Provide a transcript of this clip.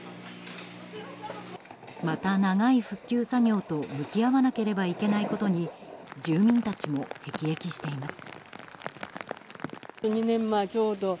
また長い復旧作業と向き合わなければいけないことに住民たちも辟易しています。